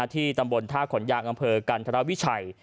ที่ตำบลท่าขนยางอำเภอกันธรวิชัย